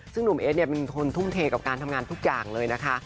ซึ่งหนุ่มเอสเนี่ยเป็นคนทุ่มเทกับการทำงานทุกอย่างเลยนะคะ